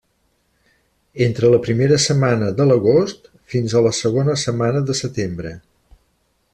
Entre la primera setmana de l'agost fins a la segona setmana del setembre.